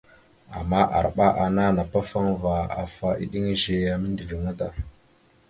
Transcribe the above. Ama arɓa ana napafaŋva afa eɗeŋa zeya mindəviŋa.